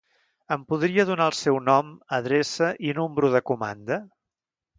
Em podria donar el seu nom, adreça i número de comanda?